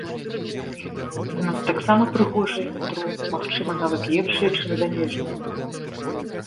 У нас таксама прыгожае метро, магчыма, нават лепшае, чым замежнае.